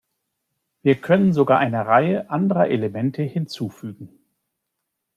Wir können sogar eine Reihe anderer Elemente hinzufügen.